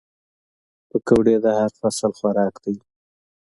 پکورې د هر فصل خوراک دي